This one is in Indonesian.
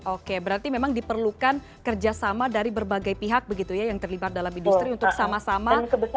oke berarti memang diperlukan kerjasama dari berbagai pihak begitu ya yang terlibat dalam industri untuk sama sama